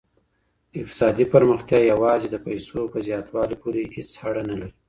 اقتصادي پرمختيا يوازي د پيسو په زياتوالي پوري هيڅ اړه نه لري.